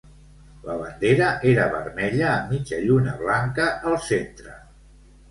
La bandera era vermella amb mitja lluna blanca al centre.